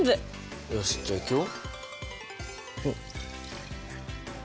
よしじゃいくよ。